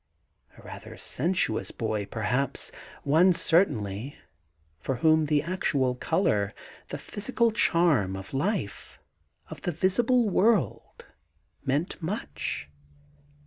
A rather sensuous boy perhaps! One, certainly, for whom the actual colour, the physical charm of life, of the visible world, meant much.